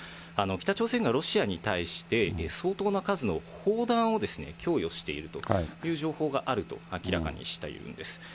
北朝鮮がロシアに対して相当な数の砲弾を供与しているという情報があると明らかにしているんです。